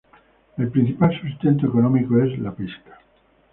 El principal sustento económico es la pesca.